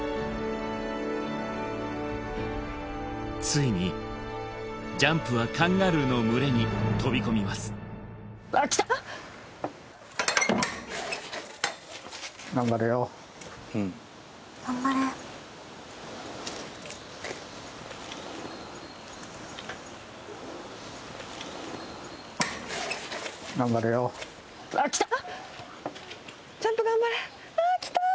ついにジャンプはカンガルーの群れに飛び込みます頑張れよあっ来た！